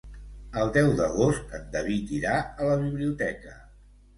El deu d'agost en David irà a la biblioteca.